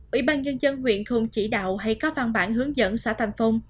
ủy ban nhân dân huyện không chỉ đạo hay có văn bản hướng dẫn xã tàm phong